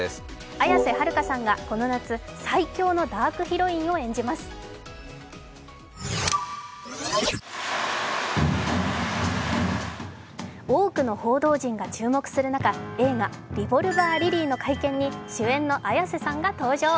綾瀬はるかさんがこの夏最強のダークヒロインを演じます多くの報道陣が注目する中、映画「リボルバー・リリー」の会見に主演の綾瀬さんが登場。